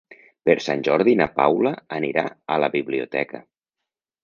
Per Sant Jordi na Paula anirà a la biblioteca.